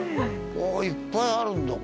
ああいっぱいあるんだ。